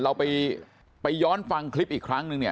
เราไปย้อนฟังคลิปอีกครั้งนึงเนี่ย